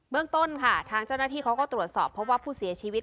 เรื่องต้นค่ะทางเจ้าหน้าที่เขาก็ตรวจสอบเพราะว่าผู้เสียชีวิต